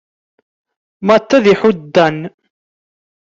Matt ad iḥudd Dan.